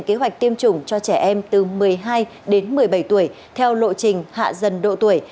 kế hoạch tiêm chủng cho trẻ em từ một mươi hai đến một mươi bảy tuổi theo lộ trình hạ dần độ tuổi